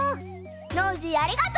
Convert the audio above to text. ノージーありがとう！